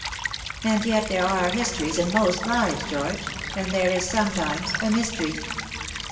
" And yet there are histories in most lives, George, and there is sometimes a mystery."